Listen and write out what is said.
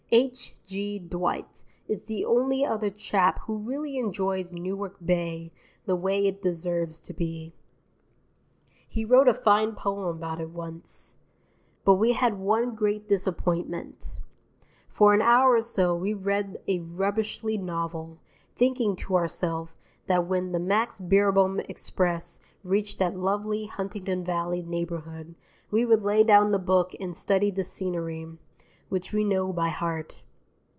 H.G. Dwight is the only other chap who really enjoys Newark Bay the way it deserves to be. He wrote a fine poem about it once. But we had one great disappointment. For an hour or so we read a rubbishy novel, thinking to ourself that when the Max Beerbohm Express reached that lovely Huntington Valley neighbourhood, we would lay down the book and study the scenery, which we know by heart.